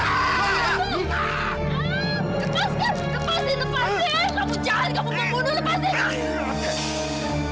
kamu jahat kamu pembunuh lepaskan